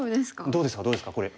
どうですかどうですかこれ。